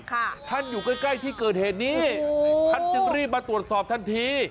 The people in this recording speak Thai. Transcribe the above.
ท่านอยู่ใกล้ใกล้ที่เกิดเหตุนี้ท่านจึงรีบมาตรวจสอบทันที